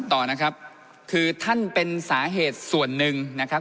ต่อนะครับคือท่านเป็นสาเหตุส่วนหนึ่งนะครับ